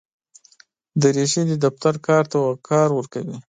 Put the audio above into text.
دریشي د دفتر کار ته وقار ورکوي.